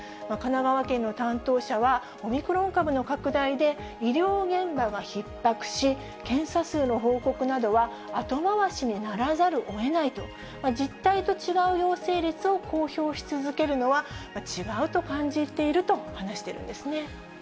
神奈川県の担当者は、オミクロン株の拡大で、医療現場がひっ迫し、検査数の報告などは後回しにならざるをえないと、実態と違う陽性率を公表し続けるのは違うと感じていると話しているんですね。